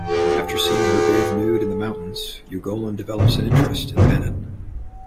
After seeing her bathe nude in the mountains, Ugolin develops an interest in Manon.